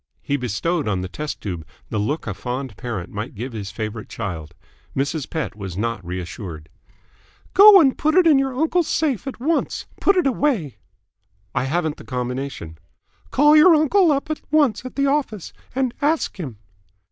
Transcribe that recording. He bestowed on the test tube the look a fond parent might give his favourite child. Mrs. Pett was not reassured. "Go and put it in your uncle's safe at once. Put it away." "I haven't the combination." "Call your uncle up at once at the office and ask him."